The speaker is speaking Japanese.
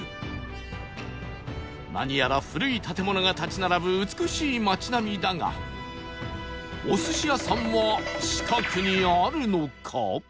何やら古い建物が立ち並ぶ美しい街並みだがお寿司屋さんは近くにあるのか？